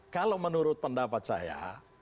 kalau menurut pendapat saya